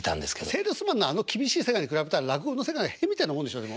セールスマンのあの厳しい世界に比べたら落語の世界なんか屁みたいなもんでしょ？